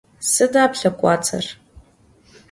Sıda plhekhuats'er?